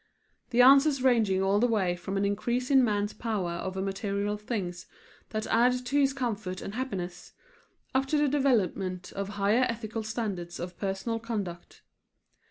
the answers ranging all the way from an increase in man's power over material things that add to his comfort and happiness, up to the development of higher ethical standards of personal conduct.